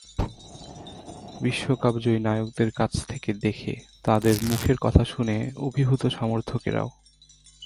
বিশ্বকাপজয়ী নায়কদের কাছ থেকে দেখে, তাঁদের মুখের কথা শুনে অভিভূত সমর্থকেরাও।